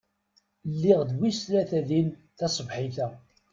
Lliɣ d wis tlata din taṣebḥit-a.